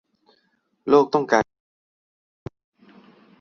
โลกต้องการคนแบบไหน